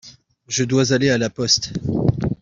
Je dois aller à la poste.